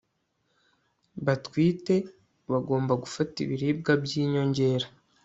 batwite bagomba gufata ibiribwa by'inyongera